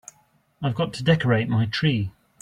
I've got to decorate my tree.